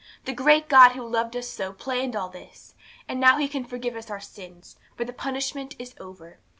The great God who loved us so planned all this. And now He can forgive us our sins, for the punishment is over.